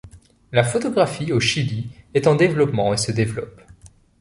La photographie au Chili est en changement et se développe.